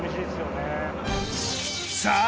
さあ